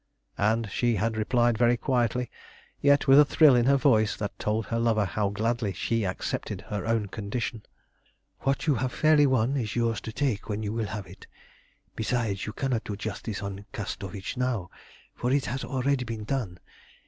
And she had replied very quietly, yet with a thrill in her voice that told her lover how gladly she accepted her own condition "What you have fairly won is yours to take when you will have it. Besides, you cannot do justice on Kastovitch now, for it has already been done.